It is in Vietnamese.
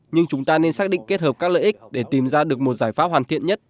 nhưng chúng ta nên xác định kết hợp các lợi ích để tìm ra được một giải pháp hoàn thiện nhất